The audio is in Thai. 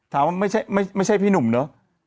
ถามว่าไม่ใช่พี่หนุ่มเนอะ